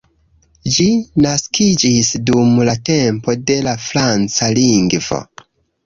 Ĝi naskiĝis dum la tempo de la franca lingvo.